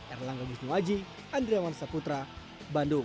erlangga gusnuwaji andriaman saputra bandung